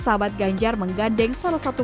sahabat ganjar menggandeng salah satu